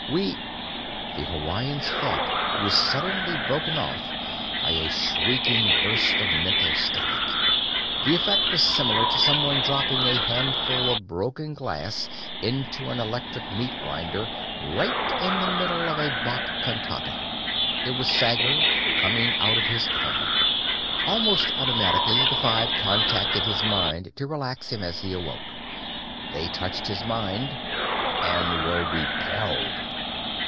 We " The Hawaiian's thought was suddenly broken off by a shrieking burst of mental static. The effect was similar to someone dropping a handful of broken glass into an electric meat grinder right in the middle of a Bach cantata. It was Sager, coming out of his coma. Almost automatically, the five contacted his mind to relax him as he awoke. They touched his mind and were repelled!